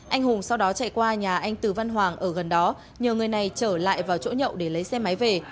anh hùng sau đó chạy qua nhà anh từ văn hoàng ở gần đó nhờ người này trở lại vào chỗ nhậu để lấy xe máy về